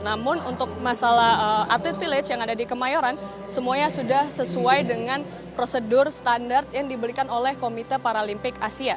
namun untuk masalah atlet village yang ada di kemayoran semuanya sudah sesuai dengan prosedur standar yang dibelikan oleh komite paralimpik asia